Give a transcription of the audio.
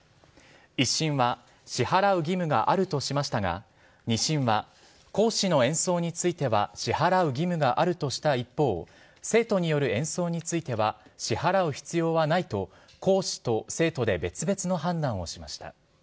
１審は支払う義務があるとしましたが、２審は講師の演奏については支払う義務があるとした一方、生徒による演奏については支払う必要はないと講師と生徒で別々の判断をしました。